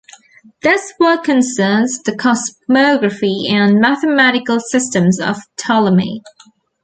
This work concerns the cosmography and mathematical systems of Ptolemy.